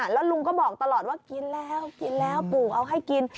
แล้วลุงก็บอกตลอดว่ากินแล้วกินแล้วปู่เอาให้กิน